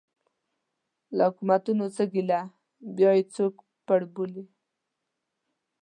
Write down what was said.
له حکومتونو څه ګیله یا یې څوک پړ بولي.